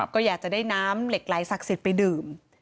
ก็อยากจะได้น้ำเหล็กไหลศักดิ์สิทธิ์ไปดื่ม